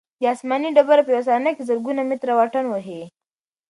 دا آسماني ډبره په یوه ثانیه کې زرګونه متره واټن وهي.